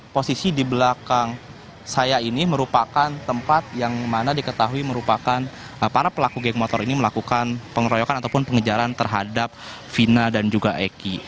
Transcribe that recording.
posisi di belakang saya ini merupakan tempat yang mana diketahui merupakan para pelaku geng motor ini melakukan pengeroyokan ataupun pengejaran terhadap vina dan juga eki